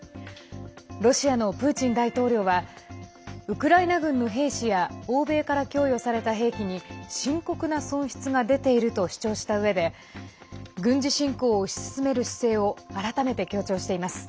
ロシアのプーチン大統領はウクライナ軍の兵士や欧米から供与された兵器に深刻な損失が出ていると主張したうえで軍事侵攻を推し進める姿勢を改めて強調しています。